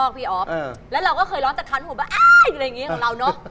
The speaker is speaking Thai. ผมแบบอ้าวอะไรอย่างนี้ของเราเนอะ